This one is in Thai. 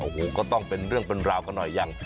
โอ้โหก็ต้องเป็นเรื่องเป็นราวกันหน่อยยัง